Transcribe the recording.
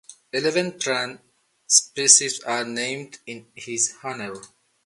Eleven plant species are named in his honor.